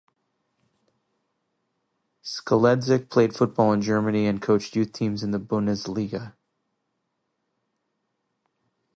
Skeledzic played football in Germany and coached youth teams in the Bundesliga.